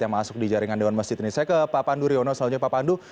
yang masuk di jaringan dewan masjid ini saya ke pak pandu riono selanjutnya pak pandu